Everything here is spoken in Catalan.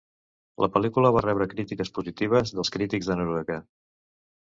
La pel·lícula va rebre crítiques positives dels crítics de Noruega.